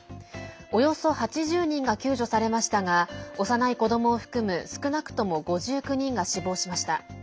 およそ８０人が救助されましたが幼い子どもを含む少なくとも５９人が死亡しました。